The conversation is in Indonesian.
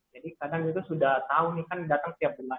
jadi kadang itu sudah tahu nih kan datang tiap bulan